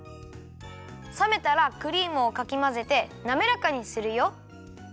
さめたらクリームをかきまぜてなめらかにするよ。